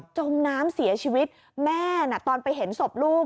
จมน้ำเสียชีวิตแม่น่ะตอนไปเห็นศพลูก